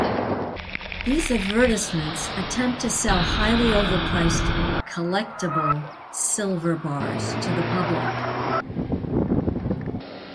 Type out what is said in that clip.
These advertisements attempt to sell highly overpriced "collectable" silver bars to the public.